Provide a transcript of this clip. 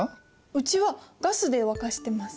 うちはガスで沸かしてます。